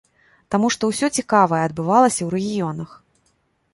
Таму што ўсё цікавае адбывалася ў рэгіёнах!